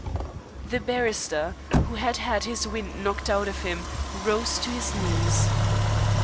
The barrister, who had had his wind knocked out of him, rose to his knees.